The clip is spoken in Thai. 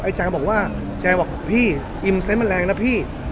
ไอ้แจ๋งบอกว่าแจ๋งบอกพี่อิมเซ็นต์มันแรงนะพี่